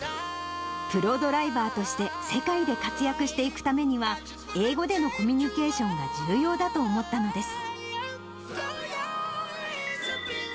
プロドライバーとして世界で活躍していくためには、英語でのコミュニケーションが重要だと思ったのです。